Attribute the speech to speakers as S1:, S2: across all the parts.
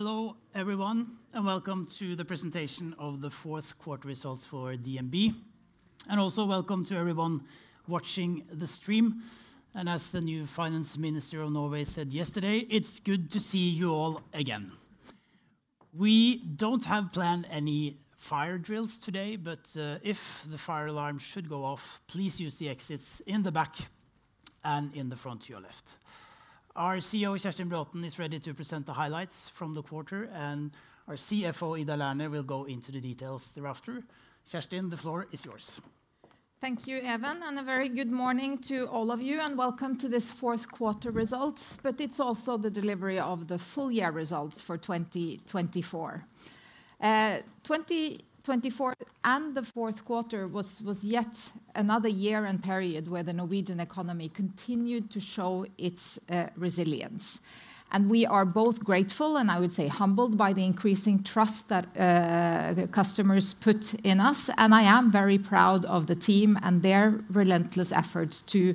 S1: Hello, everyone, and welcome to the presentation of the fourth quarter results for DNB, and also welcome to everyone watching the stream, and as the new Finance Minister of Norway said yesterday, it's good to see you all again. We don't have planned any fire drills today, but if the fire alarm should go off, please use the exits in the back and in the front to your left. Our CEO, Kjerstin Braathen, is ready to present the highlights from the quarter, and our CFO, Ida Lerner, will go into the details thereafter. Kjerstin, the floor is yours.
S2: Thank you, Even, and a very good morning to all of you, and welcome to this fourth quarter results, but it's also the delivery of the full year results for 2024, 2024 and the fourth quarter was yet another year and period where the Norwegian economy continued to show its resilience, and we are both grateful, and I would say humbled, by the increasing trust that customers put in us, and I am very proud of the team and their relentless efforts to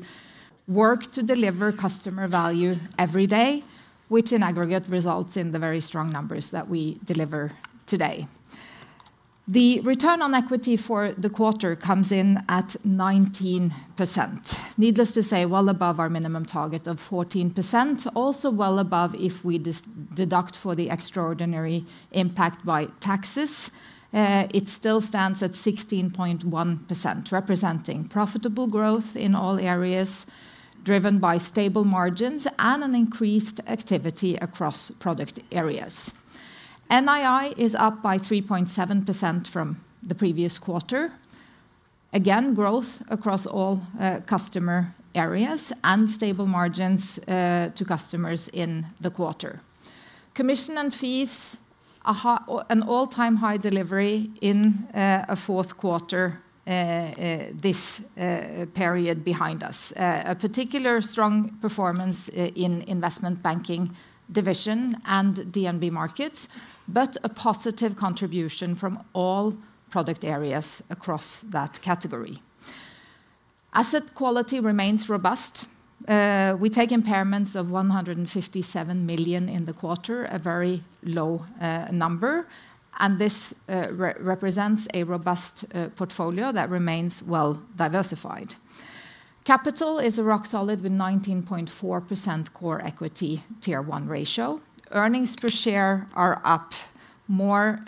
S2: work to deliver customer value every day, which in aggregate results in the very strong numbers that we deliver today. The return on equity for the quarter comes in at 19%, needless to say, well above our minimum target of 14%, also well above if we deduct for the extraordinary impact by taxes. It still stands at 16.1%, representing profitable growth in all areas, driven by stable margins and an increased activity across product areas. NII is up by 3.7% from the previous quarter. Again, growth across all customer areas and stable margins to customers in the quarter. Commission and fees, an all-time high delivery in a fourth quarter this period behind us. A particularly strong performance in Investment Banking Division and DNB Markets, but a positive contribution from all product areas across that category. Asset quality remains robust. We take impairments of 157 million in the quarter, a very low number, and this represents a robust portfolio that remains well diversified. Capital is a rock solid with 19.4% Core Equity Tier 1 ratio. Earnings per share are up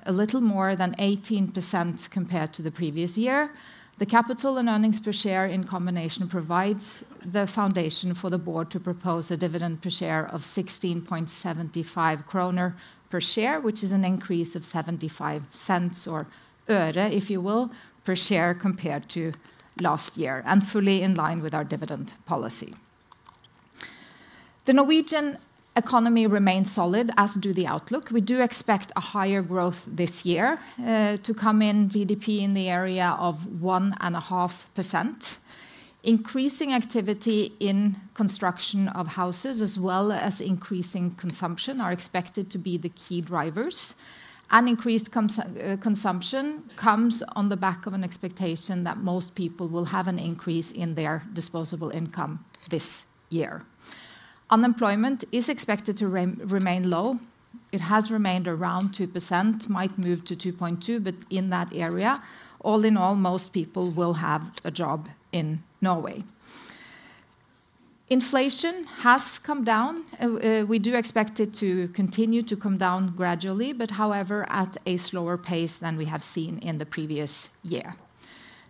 S2: a little more than 18% compared to the previous year. The capital and earnings per share in combination provides the foundation for the board to propose a dividend per share of 16.75 kroner per share, which is an increase of 0.75, or 75 øre, if you will, per share compared to last year, and fully in line with our dividend policy. The Norwegian economy remains solid, as do the outlook. We do expect a higher growth this year to come in GDP in the area of 1.5%. Increasing activity in construction of houses, as well as increasing consumption, are expected to be the key drivers, and increased consumption comes on the back of an expectation that most people will have an increase in their disposable income this year. Unemployment is expected to remain low. It has remained around 2%, might move to 2.2%, but in that area, all in all, most people will have a job in Norway. Inflation has come down. We do expect it to continue to come down gradually, but however, at a slower pace than we have seen in the previous year.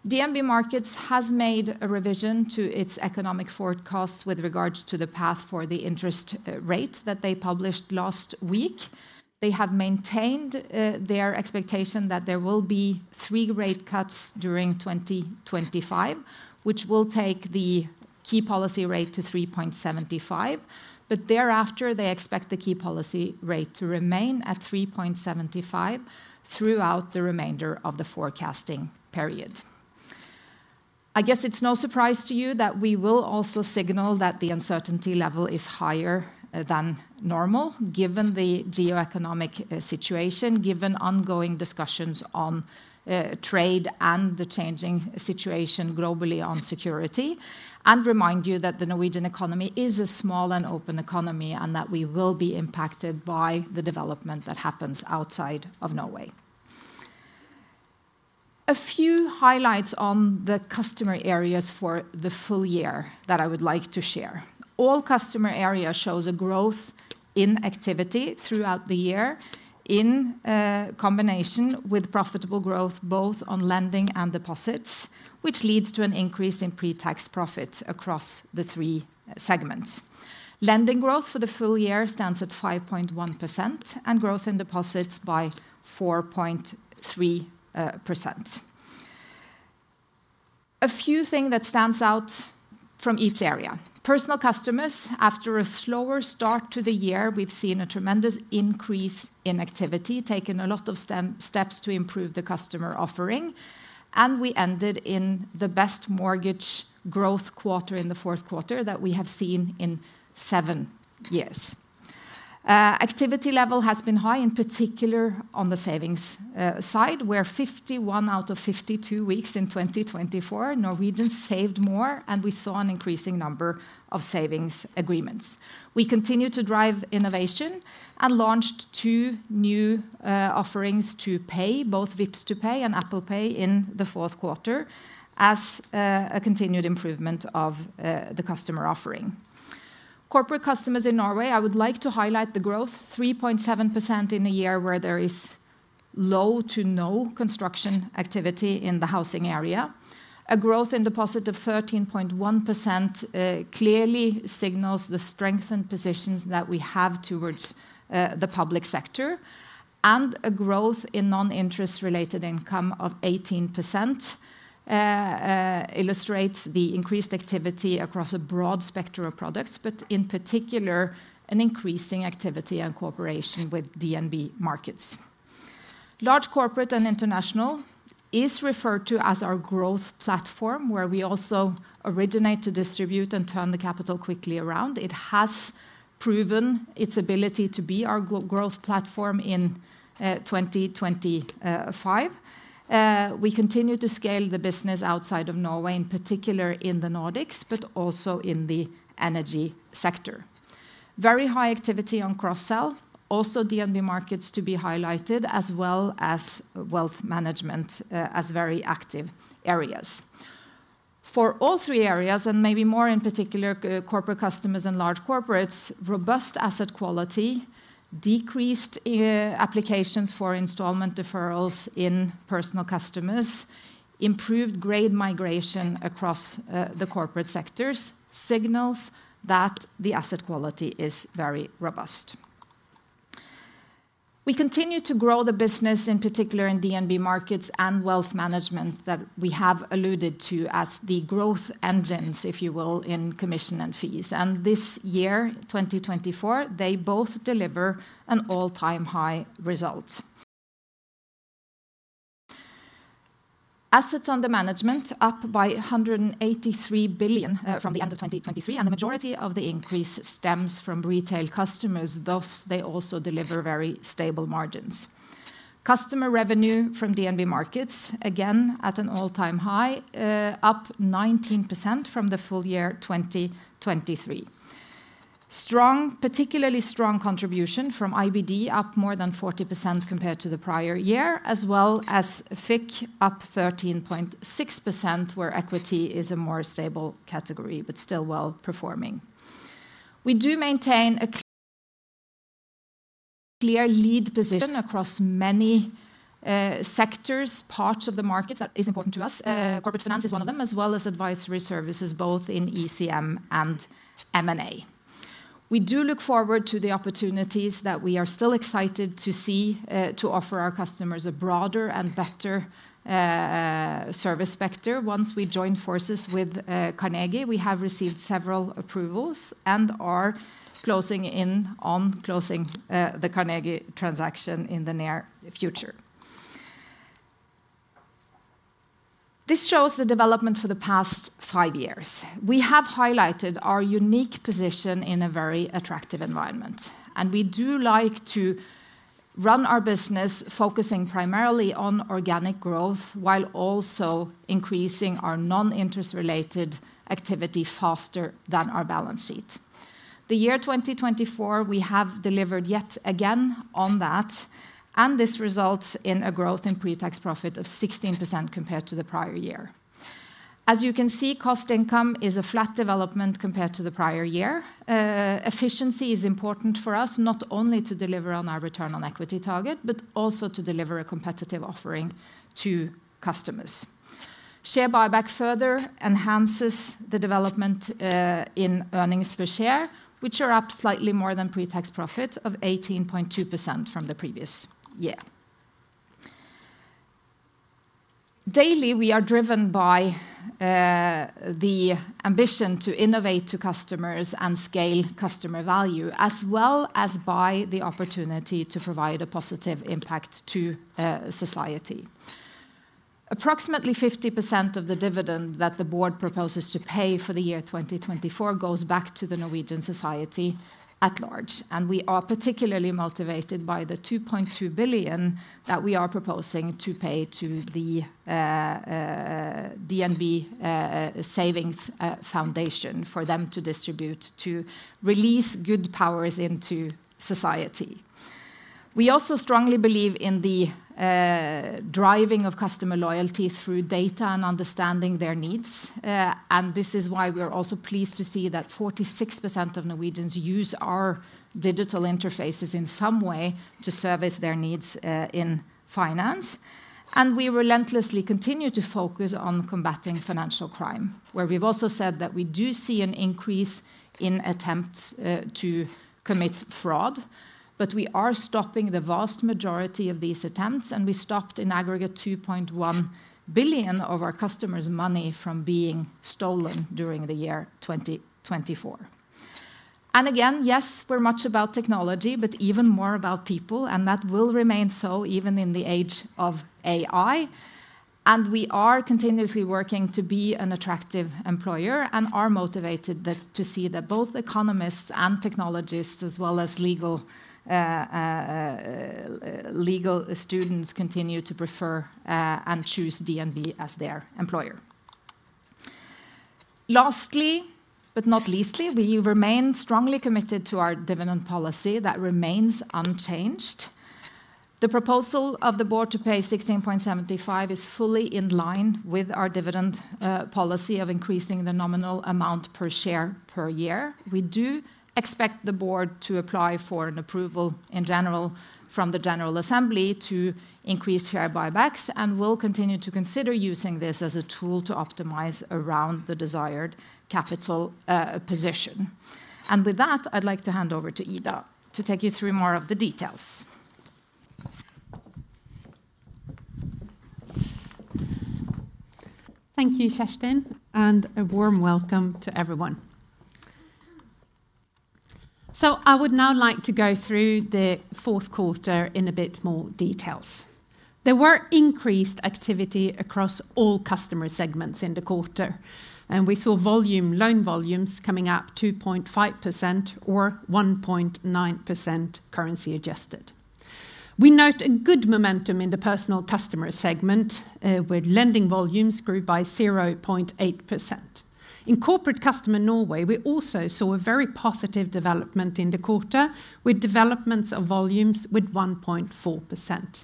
S2: DNB Markets has made a revision to its economic forecasts with regards to the path for the interest rate that they published last week. They have maintained their expectation that there will be three rate cuts during 2025, which will take the key policy rate to 3.75%. But thereafter, they expect the key policy rate to remain at 3.75% throughout the remainder of the forecasting period. I guess it's no surprise to you that we will also signal that the uncertainty level is higher than normal, given the geoeconomic situation, given ongoing discussions on trade and the changing situation globally on security, and remind you that the Norwegian economy is a small and open economy and that we will be impacted by the development that happens outside of Norway. A few highlights on the customer areas for the full year that I would like to share. All customer areas show a growth in activity throughout the year in combination with profitable growth both on lending and deposits, which leads to an increase in pre-tax profits across the three segments. Lending growth for the full year stands at 5.1% and growth in deposits by 4.3%. A few things that stand out from each area. Personal customers, after a slower start to the year, we've seen a tremendous increase in activity, taken a lot of steps to improve the customer offering, and we ended in the best mortgage growth quarter in the fourth quarter that we have seen in seven years. Activity level has been high, in particular on the savings side, where, 51 out of 52 weeks in 2024, Norwegians saved more, and we saw an increasing number of savings agreements. We continue to drive innovation and launched two new offerings to pay, both Vipps to pay and Apple Pay in the fourth quarter, as a continued improvement of the customer offering. Corporate customers in Norway, I would like to highlight the growth, 3.7% in a year where there is low to no construction activity in the housing area. A growth in deposit of 13.1% clearly signals the strengthened positions that we have towards the public sector, and a growth in non-interest-related income of 18% illustrates the increased activity across a broad spectrum of products, but in particular, an increasing activity and cooperation with DNB Markets. Large Corporates and International is referred to as our growth platform, where we also originate to distribute and turn the capital quickly around. It has proven its ability to be our growth platform in 2025. We continue to scale the business outside of Norway, in particular in the Nordics, but also in the energy sector. Very high activity on cross-sell, also DNB Markets to be highlighted, as well as wealth management as very active areas. For all three areas, and maybe more in particular, corporate customers and Large Corporates, robust asset quality, decreased applications for installment deferrals in personal customers, improved grade migration across the corporate sectors signals that the asset quality is very robust. We continue to grow the business, in particular in DNB Markets and Wealth Management that we have alluded to as the growth engines, if you will, in commission and fees, and this year, 2024, they both deliver an all-time high result. Assets under management up by 183 billion from the end of 2023, and the majority of the increase stems from retail customers, thus they also deliver very stable margins. Customer revenue from DNB Markets, again at an all-time high, up 19% from the full year 2023. Strong, particularly strong contribution from IBD, up more than 40% compared to the prior year, as well as FICC, up 13.6%, where equity is a more stable category, but still well performing. We do maintain a clear lead position across many sectors, parts of the markets that is important to us. Corporate finance is one of them, as well as advisory services, both in ECM and M&A. We do look forward to the opportunities that we are still excited to see to offer our customers a broader and better service spectrum. Once we join forces with Carnegie, we have received several approvals and are closing in on closing the Carnegie transaction in the near future. This shows the development for the past five years. We have highlighted our unique position in a very attractive environment, and we do like to run our business focusing primarily on organic growth, while also increasing our non-interest-related activity faster than our balance sheet. The year 2024, we have delivered yet again on that, and this results in a growth in pre-tax profit of 16% compared to the prior year. As you can see, cost income is a flat development compared to the prior year. Efficiency is important for us, not only to deliver on our return on equity target, but also to deliver a competitive offering to customers. Share buyback further enhances the development in earnings per share, which are up slightly more than pre-tax profit of 18.2% from the previous year. Daily, we are driven by the ambition to innovate to customers and scale customer value, as well as by the opportunity to provide a positive impact to society. Approximately 50% of the dividend that the board proposes to pay for the year 2024 goes back to the Norwegian society at large. And we are particularly motivated by the 2.2 billion that we are proposing to pay to the DNB Savings Foundation for them to distribute to release good powers into society. We also strongly believe in the driving of customer loyalty through data and understanding their needs. And this is why we are also pleased to see that 46% of Norwegians use our digital interfaces in some way to service their needs in finance. We relentlessly continue to focus on combating financial crime, where we've also said that we do see an increase in attempts to commit fraud, but we are stopping the vast majority of these attempts, and we stopped in aggregate 2.1 billion of our customers' money from being stolen during the year 2024. Again, yes, we're much about technology, but even more about people, and that will remain so even in the age of AI. We are continuously working to be an attractive employer and are motivated to see that both economists and technologists, as well as legal students, continue to prefer and choose DNB as their employer. Lastly, but not leastly, we remain strongly committed to our dividend policy that remains unchanged. The proposal of the board to pay 16.75 is fully in line with our dividend policy of increasing the nominal amount per share per year. We do expect the board to apply for an approval in general from the General Assembly to increase share buybacks and will continue to consider using this as a tool to optimize around the desired capital position. And with that, I'd like to hand over to Ida to take you through more of the details.
S3: Thank you, Kjerstin, and a warm welcome to everyone. So I would now like to go through the fourth quarter in a bit more details. There were increased activity across all customer segments in the quarter, and we saw loan volumes coming up 2.5% or 1.9% currency adjusted. We note a good momentum in the personal customer segment, with lending volumes grew by 0.8%. In Corporate Customers Norway, we also saw a very positive development in the quarter, with developments of volumes with 1.4%.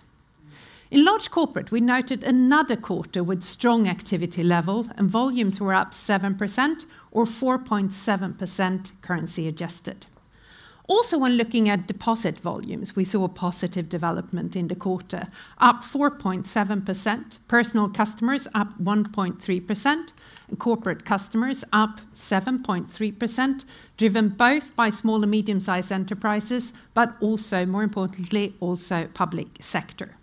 S3: In Large Corporates, we noted another quarter with strong activity level, and volumes were up 7% or 4.7% currency adjusted. Also, when looking at deposit volumes, we saw a positive development in the quarter, up 4.7%, personal customers up 1.3%, and corporate customers up 7.3%, driven both by small and medium-sized enterprises, but also, more importantly, also public sector.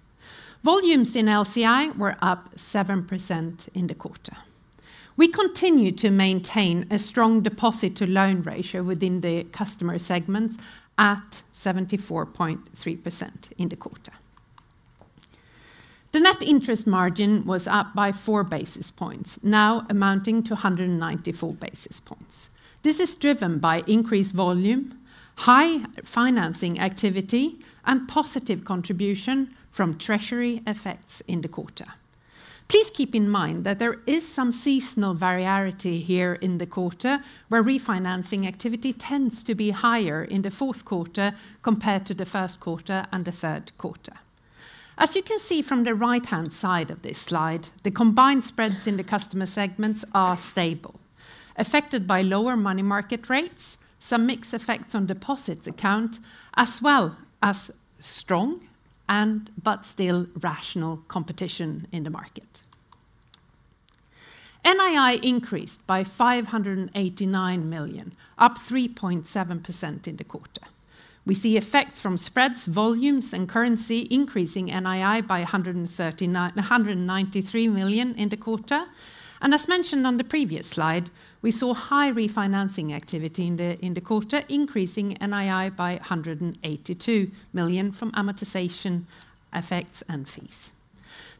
S3: Volumes in LCI were up 7% in the quarter. We continue to maintain a strong deposit-to-loan ratio within the customer segments at 74.3% in the quarter. The net interest margin was up by four basis points, now amounting to 194 basis points. This is driven by increased volume, high financing activity, and positive contribution from treasury effects in the quarter. Please keep in mind that there is some seasonal variety here in the quarter, where refinancing activity tends to be higher in the fourth quarter compared to the first quarter and the third quarter. As you can see from the right-hand side of this slide, the combined spreads in the customer segments are stable, affected by lower money market rates, some mixed effects on deposit accounts, as well as strong, but still rational competition in the market. NII increased by 589 million, up 3.7% in the quarter. We see effects from spreads, volumes, and currency increasing NII by 193 million in the quarter, as mentioned on the previous slide, we saw high refinancing activity in the quarter, increasing NII by 182 million from amortization effects and fees.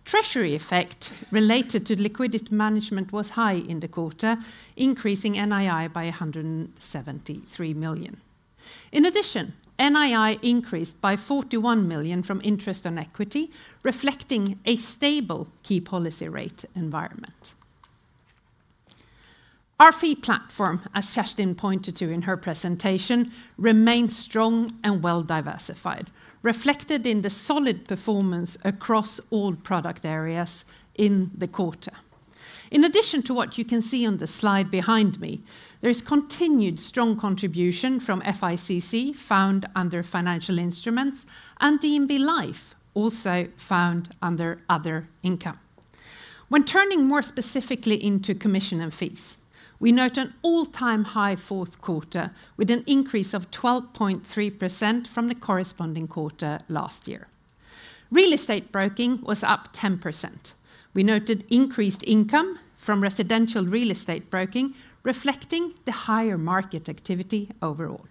S3: Treasury effect related to liquidity management was high in the quarter, increasing NII by 173 million. In addition, NII increased by 41 million from interest on equity, reflecting a stable key policy rate environment. Our fee platform, as Kjerstin pointed to in her presentation, remains strong and well diversified, reflected in the solid performance across all product areas in the quarter. In addition to what you can see on the slide behind me, there is continued strong contribution from FICC found under financial instruments and DNB Life, also found under other income. When turning more specifically into commission and fees, we note an all-time high fourth quarter with an increase of 12.3% from the corresponding quarter last year. Real estate broking was up 10%. We noted increased income from residential real estate broking, reflecting the higher market activity overall.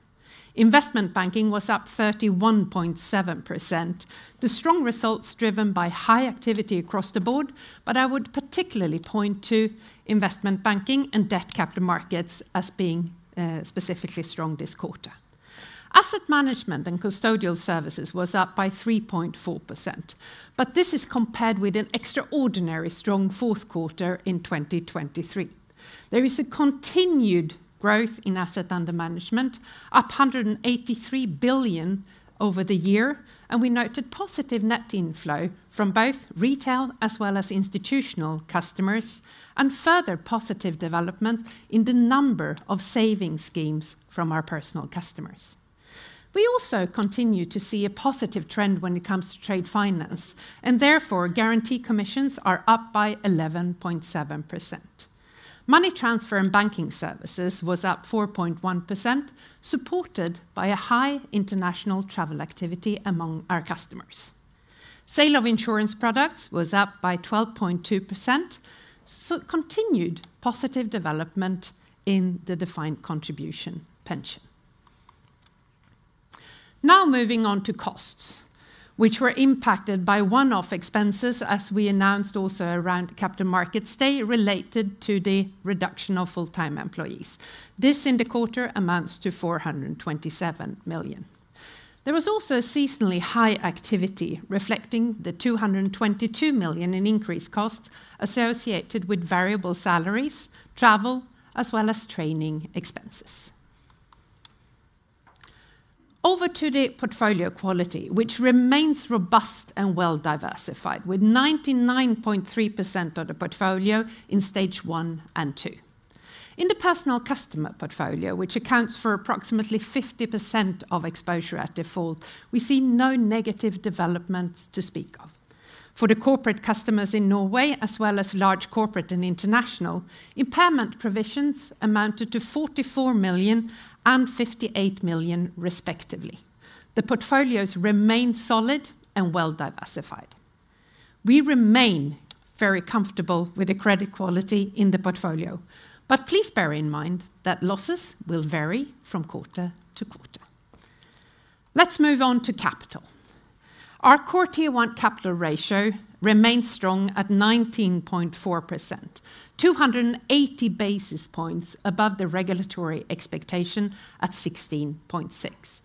S3: Investment Banking was up 31.7%, the strong results driven by high activity across the board, but I would particularly point to Investment Banking and Debt Capital Markets as being specifically strong this quarter. Asset management and custodial services was up by 3.4%, but this is compared with an extraordinarily strong fourth quarter in 2023. There is a continued growth in asset under management, up 183 billion over the year, and we noted positive net inflow from both retail as well as institutional customers and further positive development in the number of savings schemes from our personal customers. We also continue to see a positive trend when it comes to trade finance, and therefore guarantee commissions are up by 11.7%. Money transfer and banking services was up 4.1%, supported by a high international travel activity among our customers. Sale of insurance products was up by 12.2%, so continued positive development in the defined contribution pension. Now moving on to costs, which were impacted by one-off expenses as we announced also around capital markets staff related to the reduction of full-time employees. This in the quarter amounts to 427 million. There was also a seasonally high activity reflecting the 222 million in increased costs associated with variable salaries, travel, as well as training expenses. Over to the portfolio quality, which remains robust and well diversified with 99.3% of the portfolio in stage one and two. In the personal customer portfolio, which accounts for approximately 50% of exposure at default, we see no negative developments to speak of. For the corporate customers in Norway, as well as Large Corporates and International, impairment provisions amounted to 44 million and 58 million respectively. The portfolios remain solid and well diversified. We remain very comfortable with the credit quality in the portfolio, but please bear in mind that losses will vary from quarter to quarter. Let's move on to capital. Our CET1 capital ratio remains strong at 19.4%, 280 basis points above the regulatory expectation at 16.6%.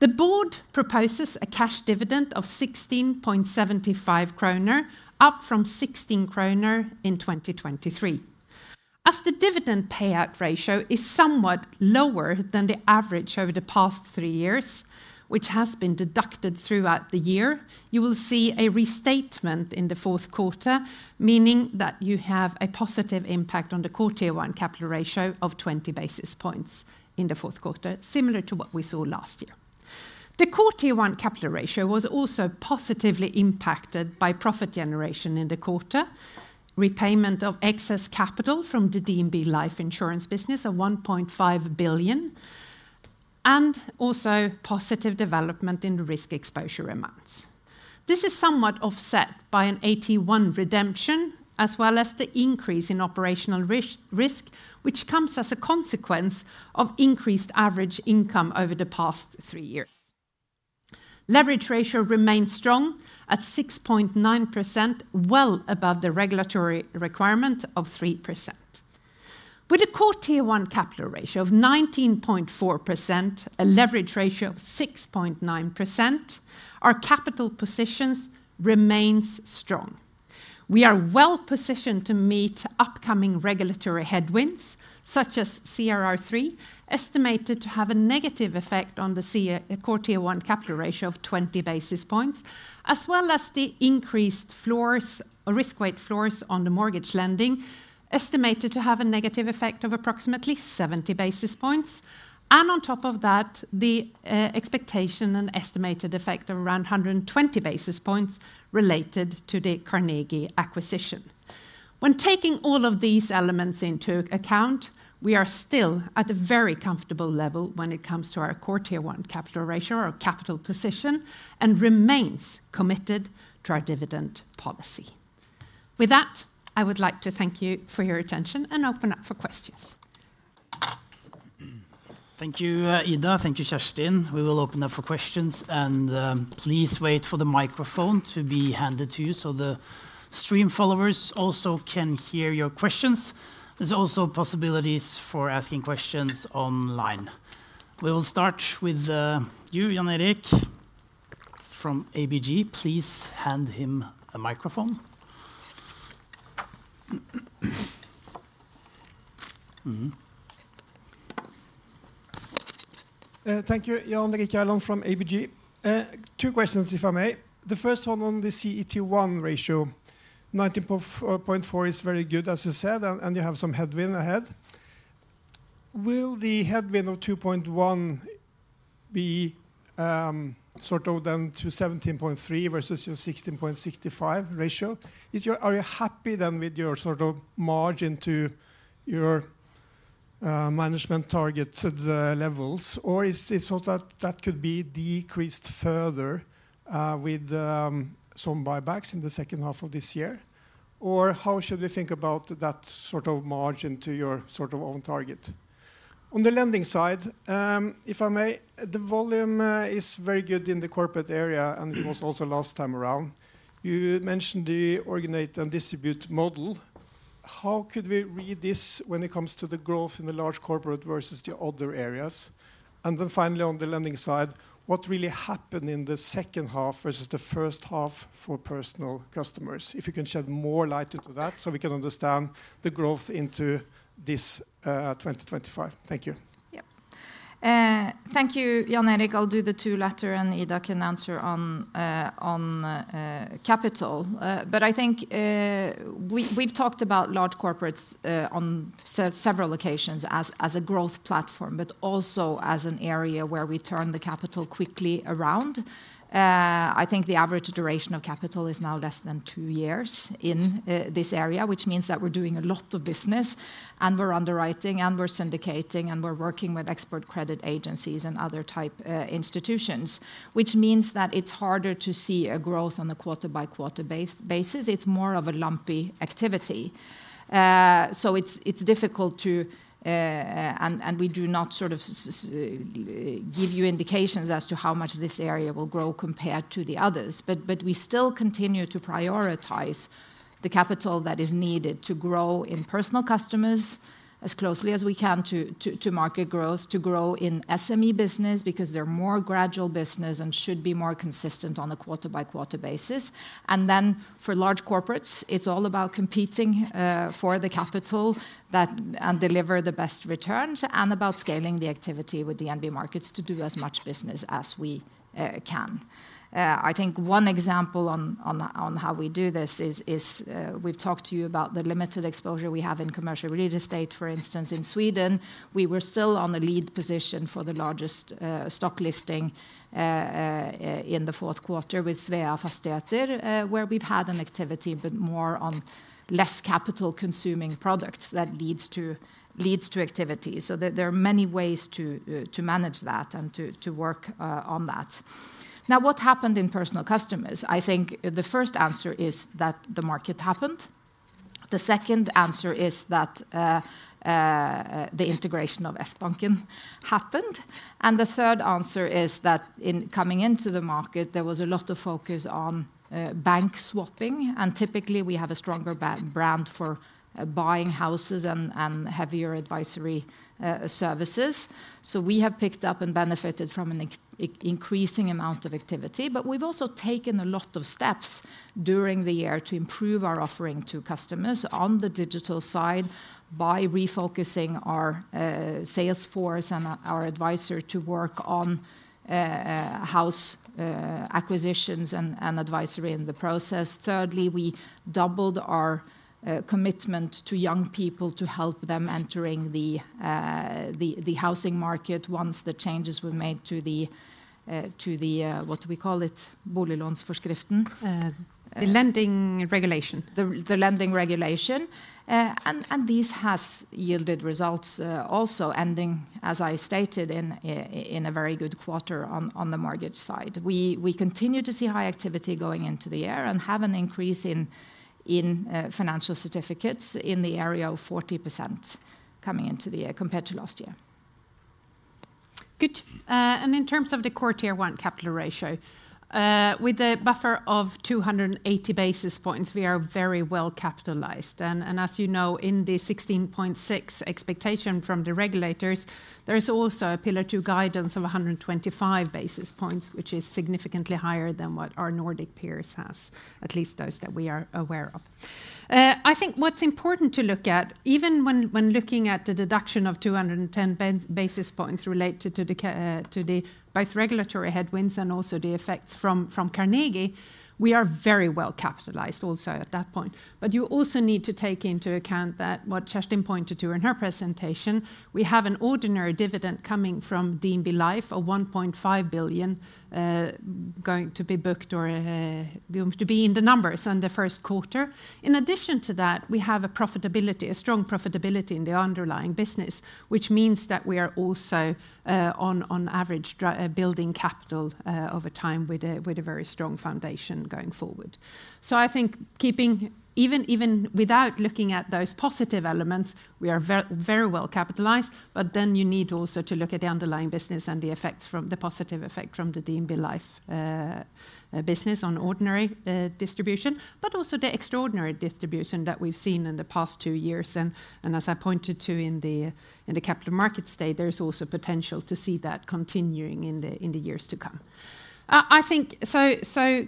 S3: The board proposes a cash dividend of 16.75 kroner, up from 16 kroner in 2023. As the dividend payout ratio is somewhat lower than the average over the past three years, which has been deducted throughout the year, you will see a restatement in the fourth quarter, meaning that you have a positive impact on the CET1 capital ratio of 20 basis points in the fourth quarter, similar to what we saw last year. The CET1 capital ratio was also positively impacted by profit generation in the quarter, repayment of excess capital from the DNB Life insurance business of 1.5 billion, and also positive development in risk exposure amounts. This is somewhat offset by an AT1 redemption, as well as the increase in operational risk, which comes as a consequence of increased average income over the past three years. Leverage ratio remains strong at 6.9%, well above the regulatory requirement of 3%. With a CET1 capital ratio of 19.4%, a leverage ratio of 6.9%, our capital positions remain strong. We are well positioned to meet upcoming regulatory headwinds, such as CRR3, estimated to have a negative effect on the CET1 capital ratio of 20 basis points, as well as the increased risk-weight floors on the mortgage lending, estimated to have a negative effect of approximately 70 basis points. And on top of that, the expectation and estimated effect of around 120 basis points related to the Carnegie acquisition. When taking all of these elements into account, we are still at a very comfortable level when it comes to our CET1 capital ratio or capital position and remain committed to our dividend policy. With that, I would like to thank you for your attention and open up for questions.
S1: Thank you, Ida. Thank you, Kjerstin. We will open up for questions, and please wait for the microphone to be handed to you so the stream followers also can hear your questions. There's also possibilities for asking questions online. We will start with you, Jan Erik, from ABG. Please hand him a microphone.
S4: Thank you, Jan Erik Gjerland from ABG. Two questions, if I may. The first one on the CET1 ratio, 19.4% is very good, as you said, and you have some headwind ahead. Will the headwind of 2.1% be sort of then to 17.3% versus your 16.65% ratio? Are you happy then with your sort of margin to your management target levels, or is it so that that could be decreased further with some buybacks in the second half of this year? Or how should we think about that sort of margin to your sort of own target? On the lending side, if I may, the volume is very good in the corporate area, and it was also last time around. You mentioned the originate and distribute model. How could we read this when it comes to the growth in the Large Corporates versus the other areas? Then finally, on the lending side, what really happened in the second half versus the first half for personal customers? If you can shed more light into that so we can understand the growth into this 2025. Thank you.
S2: Yep. Thank you, Jan Erik. I'll do the lending and Ida can answer on capital. But I think we've talked about Large Corporates on several occasions as a growth platform, but also as an area where we turn the capital quickly around. I think the average duration of capital is now less than two years in this area, which means that we're doing a lot of business, and we're underwriting, and we're syndicating, and we're working with export credit agencies and other types of institutions, which means that it's harder to see a growth on a quarter-by-quarter basis. It's more of a lumpy activity. So it's difficult to, and we do not sort of give you indications as to how much this area will grow compared to the others. But we still continue to prioritize the capital that is needed to grow in personal customers as closely as we can to market growth, to grow in SME business because they're more gradual business and should be more consistent on a quarter-by-quarter basis. And then for Large Corporates, it's all about competing for the capital and deliver the best returns and about scaling the activity with the DNB Markets to do as much business as we can. I think one example on how we do this is we've talked to you about the limited exposure we have in commercial real estate, for instance, in Sweden. We were still on a lead position for the largest stock listing in the fourth quarter with Sveafastigheter, where we've had an activity, but more or less capital-consuming products that leads to activity. So there are many ways to manage that and to work on that. Now, what happened in personal customers? I think the first answer is that the market happened. The second answer is that the integration of Sbanken happened. And the third answer is that in coming into the market, there was a lot of focus on bank swapping. And typically, we have a stronger brand for buying houses and heavier advisory services. So we have picked up and benefited from an increasing amount of activity. But we've also taken a lot of steps during the year to improve our offering to customers on the digital side by refocusing our sales force and our advisor to work on house acquisitions and advisory in the process. Thirdly, we doubled our commitment to young people to help them entering the housing market once the changes were made to the, what do we call it, Boliglånsforskriften. The lending regulation. The lending regulation. And this has yielded results also, ending, as I stated, in a very good quarter on the mortgage side. We continue to see high activity going into the year and have an increase in financing certificates in the area of 40% coming into the year compared to last year.
S3: Good. And in terms of the quarter one capital ratio, with a buffer of 280 basis points, we are very well capitalized. As you know, in the 16.6% expectation from the regulators, there is also a Pillar 2 guidance of 125 basis points, which is significantly higher than what our Nordic peers have, at least those that we are aware of. I think what's important to look at, even when looking at the deduction of 210 basis points related to both regulatory headwinds and also the effects from Carnegie, we are very well capitalized also at that point. But you also need to take into account that what Kjerstin pointed to in her presentation, we have an ordinary dividend coming from DNB Life, 1.5 billion going to be booked or going to be in the numbers in the first quarter. In addition to that, we have a profitability, a strong profitability in the underlying business, which means that we are also on average building capital over time with a very strong foundation going forward, so I think even without looking at those positive elements, we are very well capitalized, but then you need also to look at the underlying business and the effects from the positive effect from the DNB Life business on ordinary distribution, but also the extraordinary distribution that we've seen in the past two years, and as I pointed to in the capital markets statement, there's also potential to see that continuing in the years to come. I think so.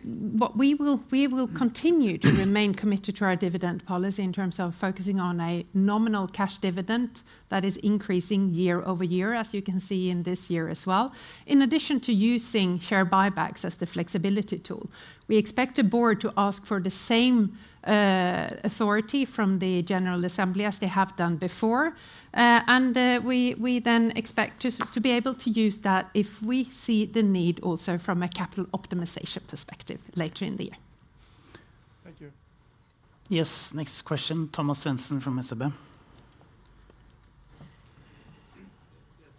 S3: What we will continue to remain committed to our dividend policy in terms of focusing on a nominal cash dividend that is increasing year over year, as you can see in this year as well. In addition to using share buybacks as the flexibility tool, we expect the board to ask for the same authority from the General Assembly as they have done before, and we then expect to be able to use that if we see the need also from a capital optimization perspective later in the year.
S4: Thank you.
S1: Yes, next question, Thomas Svendsen from SEB.
S5: Yes,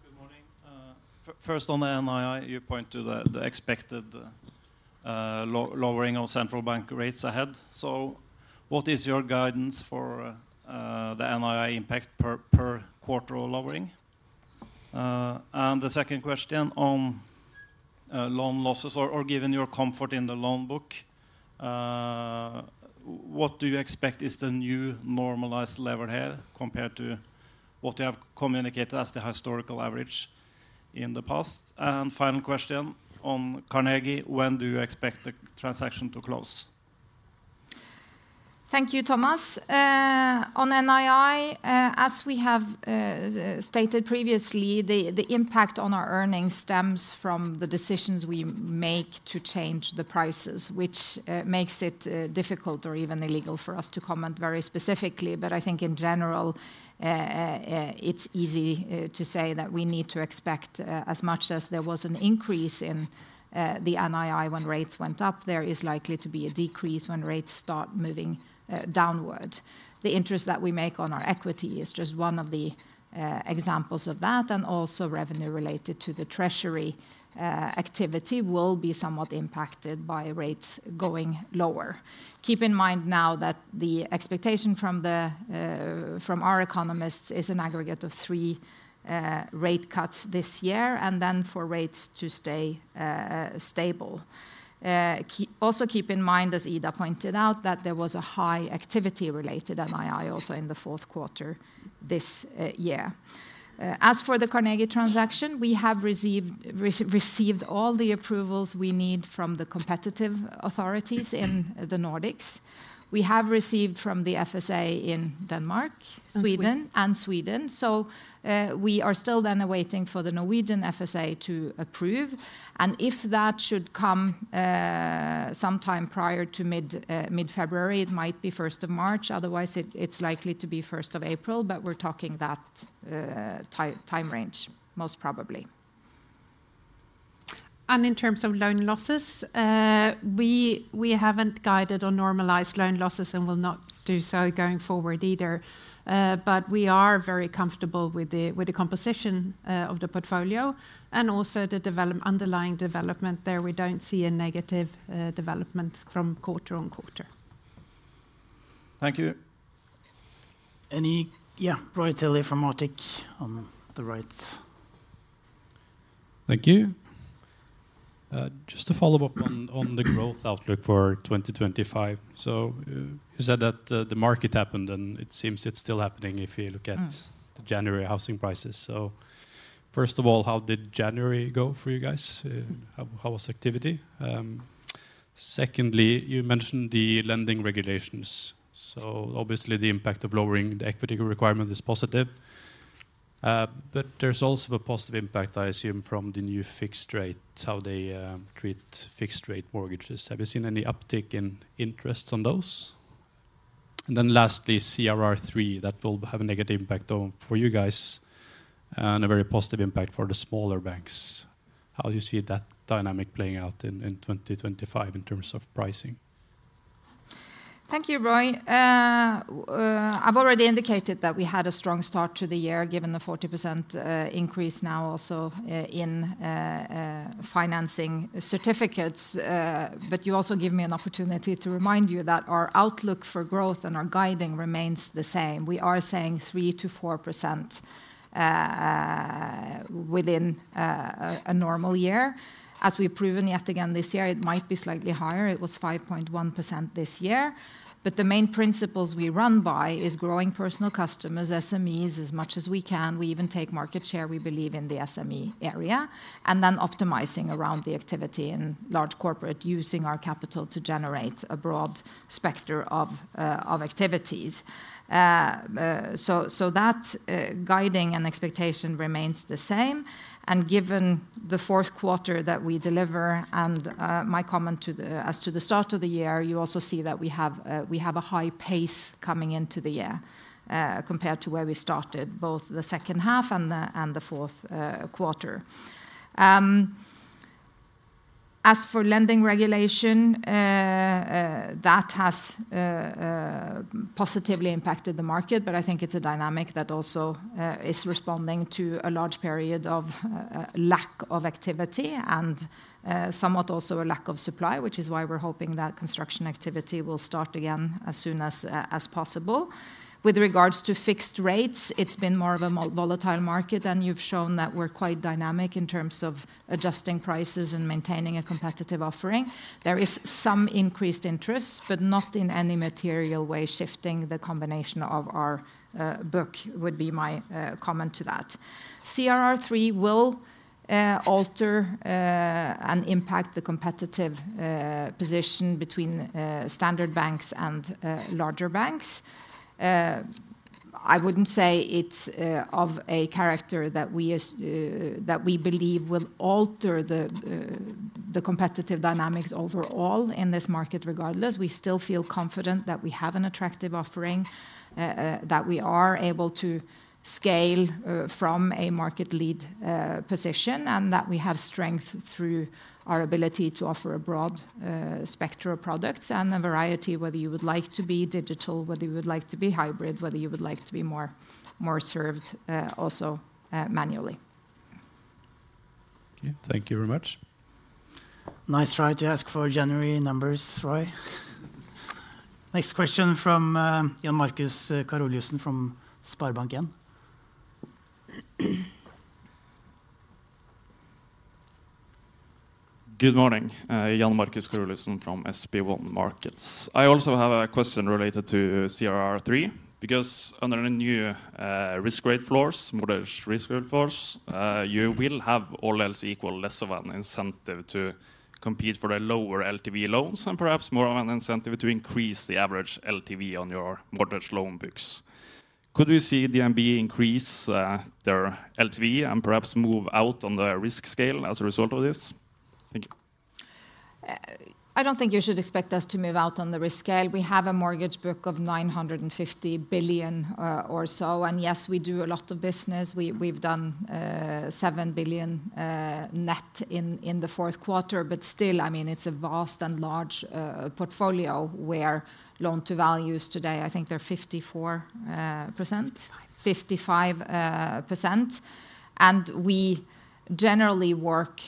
S5: good morning. First on the NII, you point to the expected lowering of central bank rates ahead. So what is your guidance for the NII impact per quarter or lowering? And the second question on loan losses or given your comfort in the loan book, what do you expect is the new normalized level here compared to what you have communicated as the historical average in the past? And final question on Carnegie, when do you expect the transaction to close?
S2: Thank you, Thomas. On NII, as we have stated previously, the impact on our earnings stems from the decisions we make to change the prices, which makes it difficult or even illegal for us to comment very specifically. But I think in general, it's easy to say that we need to expect as much as there was an increase in the NII when rates went up, there is likely to be a decrease when rates start moving downward. The interest that we make on our equity is just one of the examples of that, and also revenue related to the treasury activity will be somewhat impacted by rates going lower. Keep in mind now that the expectation from our economists is an aggregate of three rate cuts this year and then for rates to stay stable. Also keep in mind, as Ida pointed out, that there was a high activity related NII also in the fourth quarter this year. As for the Carnegie transaction, we have received all the approvals we need from the competition authorities in the Nordics. We have received from the FSA in Denmark, Sweden, and Norway. So we are still then awaiting for the Norwegian FSA to approve. And if that should come sometime prior to mid-February, it might be 1st of March. Otherwise, it's likely to be 1st of April, but we're talking that time range, most probably.
S3: And in terms of loan losses, we haven't guided on normalized loan losses and will not do so going forward either. But we are very comfortable with the composition of the portfolio and also the underlying development there. We don't see a negative development from quarter on quarter.
S5: Thank you.
S1: Roy Tilley from Arctic on the right.
S6: Thank you. Just to follow up on the growth outlook for 2025. So you said that the market happened, and it seems it's still happening if you look at the January housing prices. So first of all, how did January go for you guys? How was activity? Secondly, you mentioned the lending regulations. So obviously, the impact of lowering the equity requirement is positive. But there's also a positive impact, I assume, from the new fixed rate, how they treat fixed-rate mortgages. Have you seen any uptick in interest on those? And then lastly, CRR3, that will have a negative impact for you guys and a very positive impact for the smaller banks. How do you see that dynamic playing out in 2025 in terms of pricing?
S2: Thank you, Roy. I've already indicated that we had a strong start to the year given the 40% increase now also in financing certificates. But you also give me an opportunity to remind you that our outlook for growth and our guiding remains the same. We are saying 3%-4% within a normal year. As we've proven yet again this year, it might be slightly higher. It was 5.1% this year. But the main principles we run by is growing personal customers, SMEs as much as we can. We even take market share. We believe in the SME area. And then optimizing around the activity in Large Corporates using our capital to generate a broad spectrum of activities. So that guiding and expectation remains the same. And given the fourth quarter that we deliver and my comment as to the start of the year, you also see that we have a high pace coming into the year compared to where we started, both the second half and the fourth quarter. As for lending regulation, that has positively impacted the market, but I think it's a dynamic that also is responding to a large period of lack of activity and somewhat also a lack of supply, which is why we're hoping that construction activity will start again as soon as possible. With regards to fixed rates, it's been more of a volatile market, and you've shown that we're quite dynamic in terms of adjusting prices and maintaining a competitive offering. There is some increased interest, but not in any material way shifting the combination of our book would be my comment to that. CRR3 will alter and impact the competitive position between standard banks and larger banks. I wouldn't say it's of a character that we believe will alter the competitive dynamics overall in this market regardless. We still feel confident that we have an attractive offering, that we are able to scale from a market lead position, and that we have strength through our ability to offer a broad spectrum of products and a variety, whether you would like to be digital, whether you would like to be hybrid, whether you would like to be more served also manually.
S6: Okay, thank you very much.
S1: Nice try to ask for January numbers, Roy. Next question from Jan Markus Karoliussen from SpareBank 1.
S7: Good morning. Jan Markus Karoliussen from SpareBank 1 Markets. I also have a question related to CRR3 because under the new risk rate floors, mortgage risk rate floors, you will have all else equal less of an incentive to compete for the lower LTV loans and perhaps more of an incentive to increase the average LTV on your mortgage loan books. Could we see DNB increase their LTV and perhaps move out on the risk scale as a result of this? Thank you.
S2: I don't think you should expect us to move out on the risk scale. We have a mortgage book of 950 billion or so. And yes, we do a lot of business. We've done 7 billion net in the fourth quarter. But still, I mean, it's a vast and large portfolio where loan to values today, I think they're 54%-55%. We generally work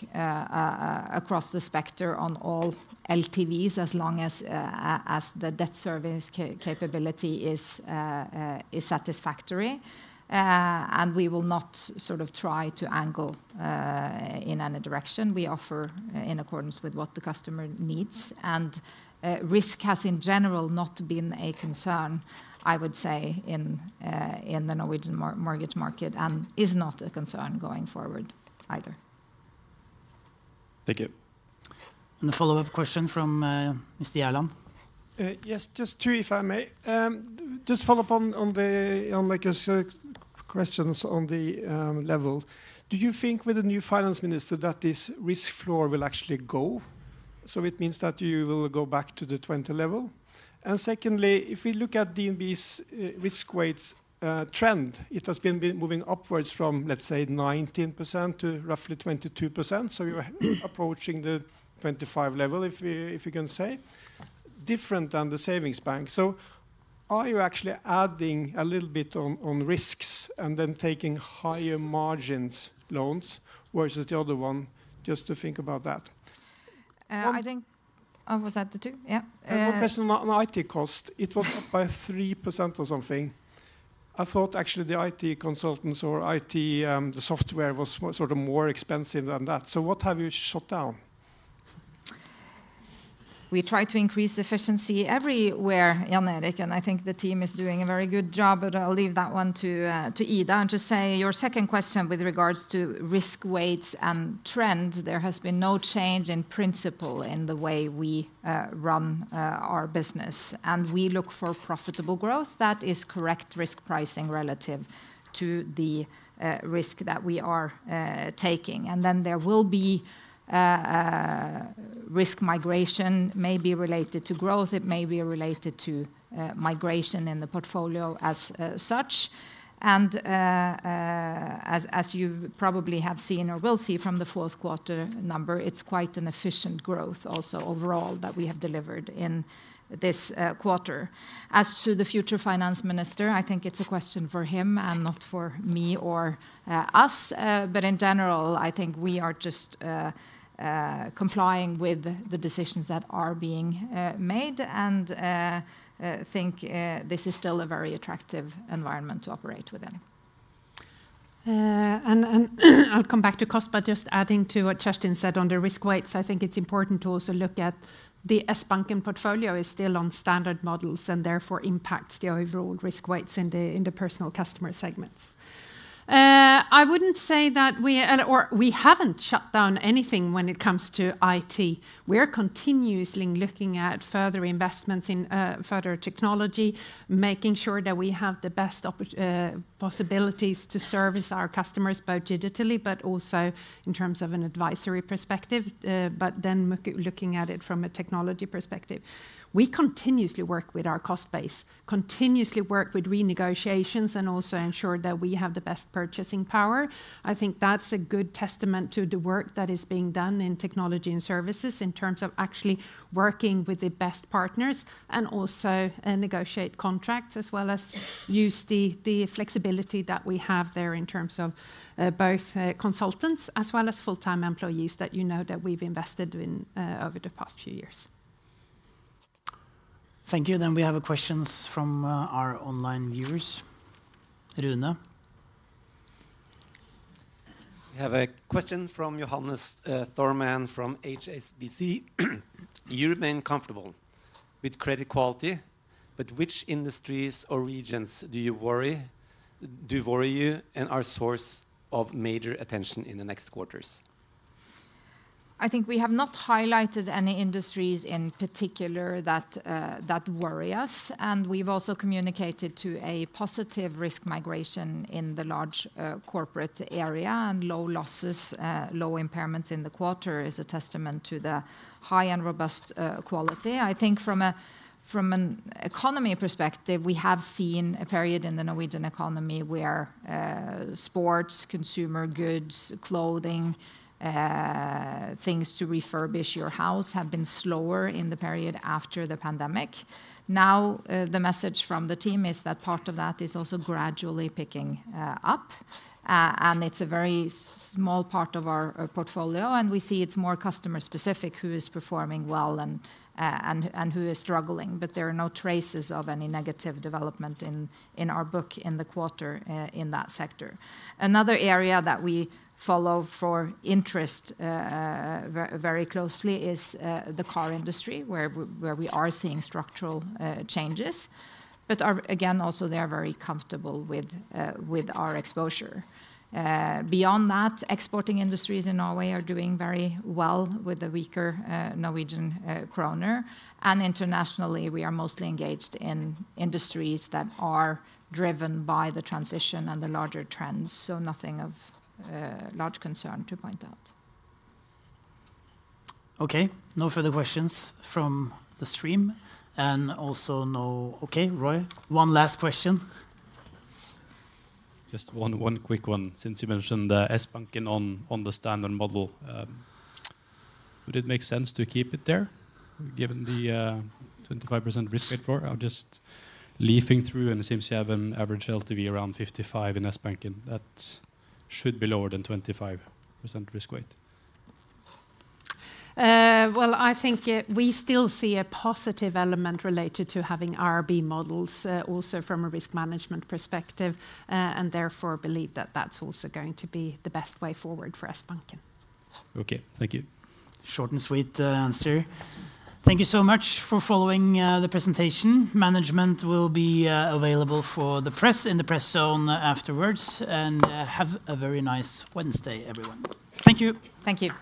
S2: across the spectrum on all LTVs as long as the debt service capability is satisfactory. We will not sort of try to angle in any direction. We offer in accordance with what the customer needs. Risk has in general not been a concern, I would say, in the Norwegian mortgage market and is not a concern going forward either.
S7: Thank you.
S1: The follow-up question from Mr. Gjerland.
S4: Yes, just two, if I may. Just follow up on Jan Markus's questions on the level. Do you think with the new finance minister that this risk floor will actually go? So it means that you will go back to the 20 level. Secondly, if we look at DNB's risk rates trend, it has been moving upwards from, let's say, 19% to roughly 22%. So you're approaching the 25 level, if you can say, different than the savings bank. So are you actually adding a little bit on risks and then taking higher margins loans versus the other one? Just to think about that.
S2: I think I was at the two. Yeah.
S4: One question on IT cost. It was up by 3% or something. I thought actually the IT consultants or IT, the software was sort of more expensive than that. So what have you shut down?
S2: We try to increase efficiency everywhere, Jan Erik. And I think the team is doing a very good job, but I'll leave that one to Ida and to say your second question with regards to risk rates and trend. There has been no change in principle in the way we run our business. And we look for profitable growth. That is correct risk pricing relative to the risk that we are taking. And then there will be risk migration, maybe related to growth. It may be related to migration in the portfolio as such. And as you probably have seen or will see from the fourth quarter number, it's quite an efficient growth also overall that we have delivered in this quarter. As to the future finance minister, I think it's a question for him and not for me or us. But in general, I think we are just complying with the decisions that are being made and think this is still a very attractive environment to operate within.
S3: And I'll come back to cost, but just adding to what Jan Erik said on the risk rates, I think it's important to also look at the Sbanken portfolio is still on standard models and therefore impacts the overall risk rates in the personal customer segments. I wouldn't say that we haven't shut down anything when it comes to IT. We're continuously looking at further investments in further technology, making sure that we have the best possibilities to service our customers both digitally, but also in terms of an advisory perspective, but then looking at it from a technology perspective. We continuously work with our cost base, continuously work with renegotiations and also ensure that we have the best purchasing power. I think that's a good testament to the work that is being done in technology and services in terms of actually working with the best partners and also negotiate contracts as well as use the flexibility that we have there in terms of both consultants as well as full-time employees that you know that we've invested in over the past few years.
S1: Thank you. Then we have questions from our online viewers. Rune.
S8: We have a question from Johannes Thormann from HSBC. You remain comfortable with credit quality, but which industries or regions do you worry about and are sources of major attention in the next quarters?
S2: I think we have not highlighted any industries in particular that worry us. We've also communicated to a positive risk migration in the Large Corporates area and low losses, low impairments in the quarter is a testament to the high and robust quality. I think from an economy perspective, we have seen a period in the Norwegian economy where sports, consumer goods, clothing, things to refurbish your house have been slower in the period after the pandemic. Now, the message from the team is that part of that is also gradually picking up. It's a very small part of our portfolio. We see it's more customer-specific who is performing well and who is struggling, but there are no traces of any negative development in our book in the quarter in that sector. Another area that we follow for interest very closely is the car industry where we are seeing structural changes. But again, also they are very comfortable with our exposure. Beyond that, exporting industries in Norway are doing very well with the weaker Norwegian kroner. And internationally, we are mostly engaged in industries that are driven by the transition and the larger trends. So nothing of large concern to point out.
S1: Okay. No further questions from the stream. And also no, okay, Roy, one last question.
S6: Just one quick one. Since you mentioned the Sbanken on the standard model, would it make sense to keep it there given the 25% risk rate for? I'm just leafing through and it seems you have an average LTV around 55% in Sbanken. That should be lower than 25% risk rate.
S3: I think we still see a positive element related to having IRB models also from a risk management perspective and therefore believe that that's also going to be the best way forward for Sbanken.
S6: Okay. Thank you.
S1: Short and sweet answer. Thank you so much for following the presentation. Management will be available for the press in the press zone afterwards. Have a very nice Wednesday, everyone. Thank you.
S2: Thank you.